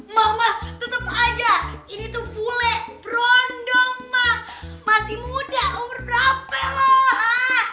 mama tetep aja ini tuh bule berondong ma masih muda umur berapa lo ha